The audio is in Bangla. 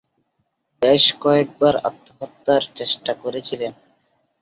বেশ কয়েকবার আত্মহত্যার চেষ্টা করেছিলেন।